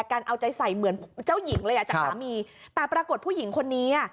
เอาใจใส่เหมือนเจ้าหญิงเลยอ่ะจากสามีแต่ปรากฏผู้หญิงคนนี้อ่ะ